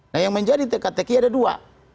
nah yang menjadi tktq ada dua